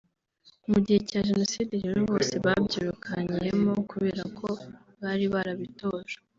Mu gihe cya Jenoside rero bose babyirukankiyemo kubera ko bari barabitojwe